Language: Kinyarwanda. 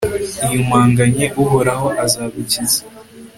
iyumanganye, uhoraho azagukiza